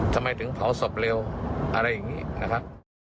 ทำไมถึงเผาศพเร็วอะไรอย่างนี้นะครับ